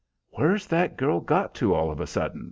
"Where's that girl got to all of a sudden?"